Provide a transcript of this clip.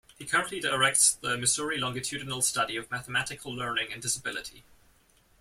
He currently directs the Missouri Longitudinal Study of Mathematical Learning and Disability.